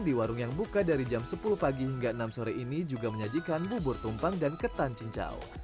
di warung yang buka dari jam sepuluh pagi hingga enam sore ini juga menyajikan bubur tumpang dan ketan cincau